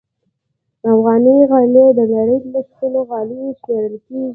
افغاني غالۍ د نړۍ له ښکلو غالیو شمېرل کېږي.